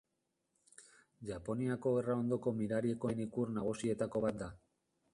Japoniako gerra ondoko mirari ekonomikoaren ikur nagusietako bat da.